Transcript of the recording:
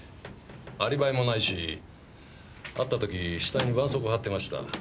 アリバイもないし会った時額にばんそうこう貼ってました